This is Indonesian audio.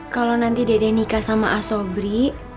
kalau nanti dede nikah sama asobri